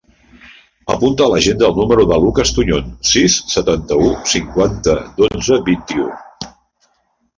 Apunta a l'agenda el número del Lucas Tuñon: sis, setanta-u, cinquanta, dotze, vint-i-u.